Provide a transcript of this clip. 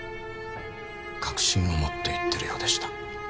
確信を持って言ってるようでした。